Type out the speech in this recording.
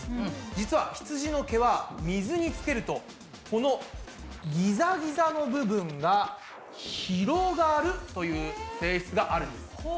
実はひつじの毛は水につけるとこのギザギザの部分が広がるという性質があるんです。